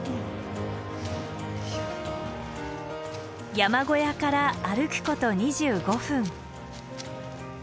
山小屋から歩くこと２５分。